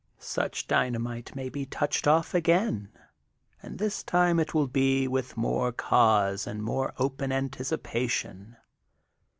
Such dynamite may be touched off again, and this time it will be with more cause and more open anticipation.